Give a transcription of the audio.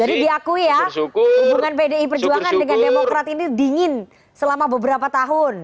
diakui ya hubungan pdi perjuangan dengan demokrat ini dingin selama beberapa tahun